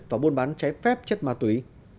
và buôn bán trái phép chất ma túy